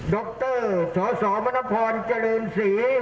ดรสสมณพรเจริญศรี